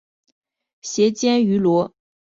斜肩芋螺为芋螺科芋螺属下的一个种。